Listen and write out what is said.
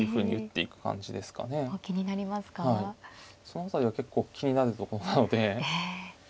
その辺りは結構気になるとこなので。